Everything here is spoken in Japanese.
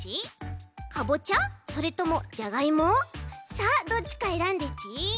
さあどっちかえらんでち。